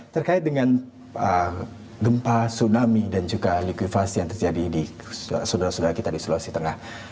terkait dengan gempa tsunami dan juga likuivasi yang terjadi di sulawesi tengah